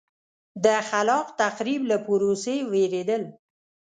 د خلاق تخریب له پروسې وېرېدل.